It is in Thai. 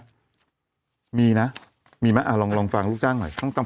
ทำงานครบ๒๐ปีได้เงินชดเฉยเลิกจ้างไม่น้อยกว่า๔๐๐วัน